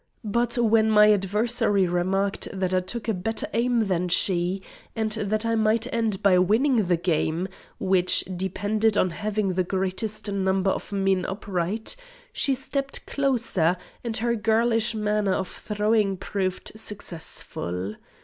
But when my adversary remarked that I took a better aim than she, and that I might end by winning the game, which depended on having the greatest number of men upright, she stepped closer, and her girlish manner of throwing proved successful.